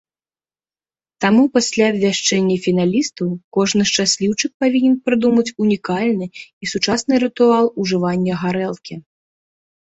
Таму пасля абвяшчэння фіналістаў, кожны шчасліўчык павінен прыдумаць унікальны і сучасны рытуал ужывання гарэлкі.